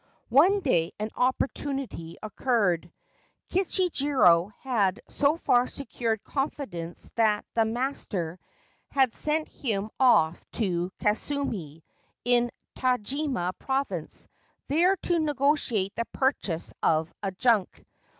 One day an opportunity occurred. Kichijiro had so far secured confidence that the master had sent him off to Kasumi, in Tajima Province, there to negotiate the purchase of a junk.